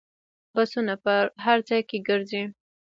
بسونه په هر ځای کې ګرځي.